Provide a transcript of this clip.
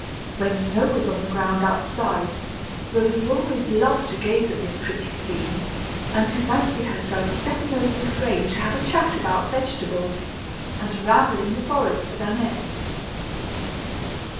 When snow was on the ground outside Rosy always loved to gaze at this pretty scene, and to fancy herself stepping over the frame to have a chat about vegetables, and a ramble in the forest with Annette.